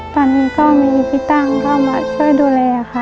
ตอนนี้ก็มีพี่ตั้งเข้ามาช่วยดูแลค่ะ